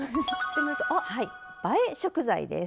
はい映え食材です。